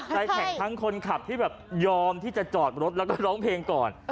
ใจแข็งทั้งคนขับที่แบบยอมที่จะจอดรถแล้วก็ร้องเพลงก่อน